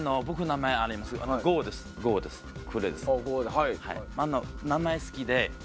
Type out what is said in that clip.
名前好きで。